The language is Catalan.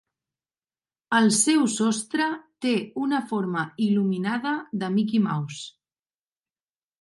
El seu sostre té una forma il·luminada de Mickey Mouse.